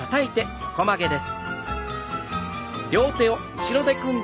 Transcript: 横曲げです。